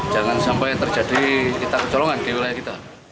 jangan sampai terjadi kita kecolongan di wilayah kita